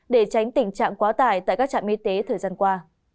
để tránh tình trạng quá tải tại các trạm y tế thời gian qua